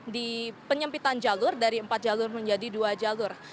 di penyempitan jalur dari empat jalur menjadi dua jalur